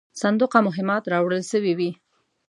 صندوقه مهمات راوړل سوي وې.